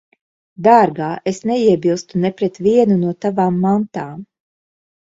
Dārgā, es neiebilstu ne pret vienu no tavām mantām.